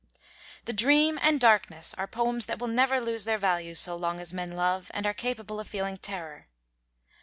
'The Dream' and 'Darkness' are poems that will never lose their value so long as men love and are capable of feeling terror.